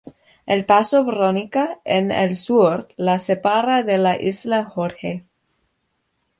El paso Verónica, en el sur, la separa de la isla Jorge.